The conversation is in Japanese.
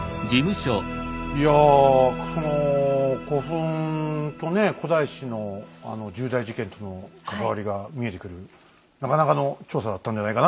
いやその古墳とね古代史の重大事件との関わりが見えてくるなかなかの調査だったんじゃないかな。